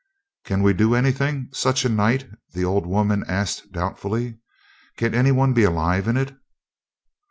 "Can we do anything such a night?" the old woman asked doubtfully. "Can anyone be alive in it?"